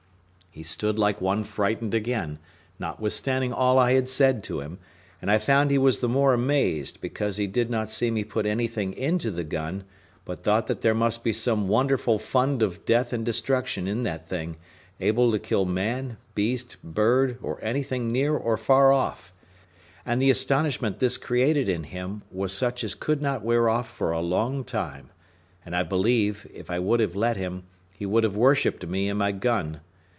He stood like one frightened again, notwithstanding all I had said to him; and I found he was the more amazed, because he did not see me put anything into the gun, but thought that there must be some wonderful fund of death and destruction in that thing, able to kill man, beast, bird, or anything near or far off; and the astonishment this created in him was such as could not wear off for a long time; and I believe, if I would have let him, he would have worshipped me and my gun.